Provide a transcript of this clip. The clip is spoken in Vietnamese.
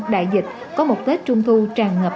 đại dịch có một tết trung thu tràn ngập